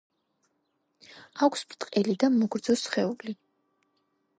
აქვს ბრტყელი და მოგრძო სხეული.